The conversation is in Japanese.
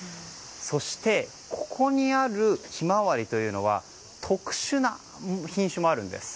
そして、ここにあるヒマワリは特殊な品種もあるんです。